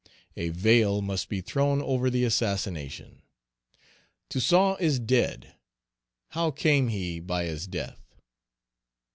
A veil must be thrown over the assassination. "Toussaint is dead;" "how came he by his death?"